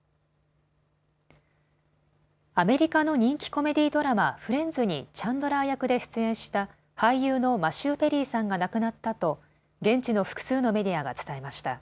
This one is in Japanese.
アメリカの人気コメディードラマ、フレンズにチャンドラー役で出演した俳優のマシュー・ペリーさんが亡くなったと現地の複数のメディアが伝えました。